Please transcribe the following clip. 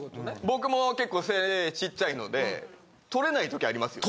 僕も結構背ちっちゃいので取れない時ありますよね。